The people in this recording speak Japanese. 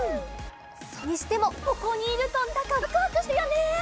それにしてもここにいるとなんだかワクワクしてくるよね！